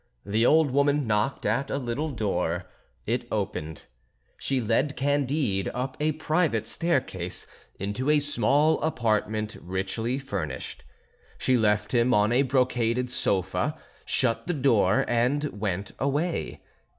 The old woman knocked at a little door, it opened, she led Candide up a private staircase into a small apartment richly furnished. She left him on a brocaded sofa, shut the door and went away.